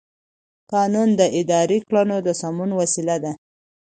قانون د اداري کړنو د سمون وسیله ده.